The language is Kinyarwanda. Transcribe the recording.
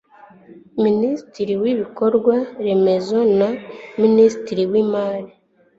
minisitiri w'ibikorwa remezo na minisitiri w'imari